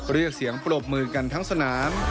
เรียกเสียงปรบมือกันทั้งสนาม